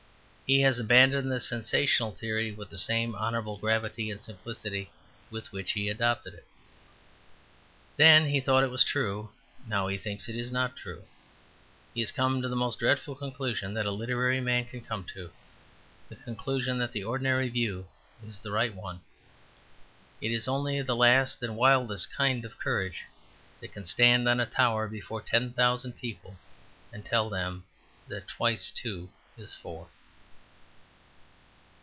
He has abandoned the sensational theory with the same honourable gravity and simplicity with which he adopted it. Then he thought it was true; now he thinks it is not true. He has come to the most dreadful conclusion a literary man can come to, the conclusion that the ordinary view is the right one. It is only the last and wildest kind of courage that can stand on a tower before ten thousand people and tell them that twice two is four.